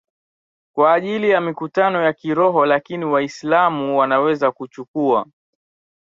kwa ajili ya mikutano ya kiroho Lakini Waislamu wanaweza kuchukua